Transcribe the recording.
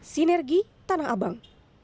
sinergi tanah abang